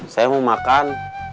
saya mau makan